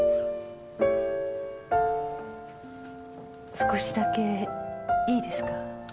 少しだけいいですか？